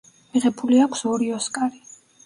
მიღებული აქვს ორი ოსკარი.